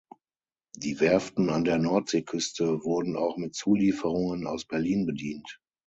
Die Werften an der Nordseeküste wurden auch mit Zulieferungen aus Berlin bedient.